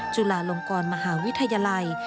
จุฬาลงกรมหาวิทยาลัย